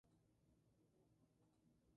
Han roto las hostilidades con la clase obrera.